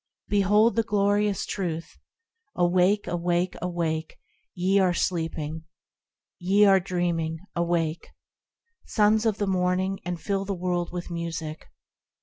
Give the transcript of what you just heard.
Behold, the glorious Truth ! Awake ! awake ! awake ! ye are sleeping I ye are dreaming ! Awake! Sons of the Morning, and fill the world with music.